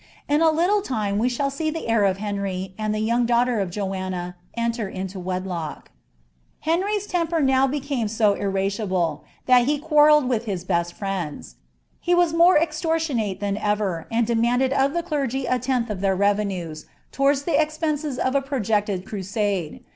In a little time we shall tee the heir of Henry, and the young daughter of Joanna enter into wedlock. Henry's temper now became so irascible, that he quarrelled with his best friends ; he was more extortionate than ever, and demanded of the clergy a tenth of their revenues, towards the expenses of a projected cninde.